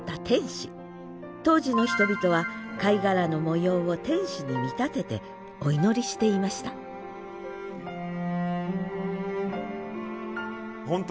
当時の人々は貝殻の模様を天使に見立ててお祈りしていました本当